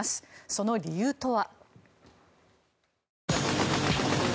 その理由とは。